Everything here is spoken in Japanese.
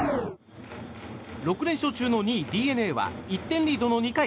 ６連勝中の２位、ＤｅＮＡは１点リードの２回。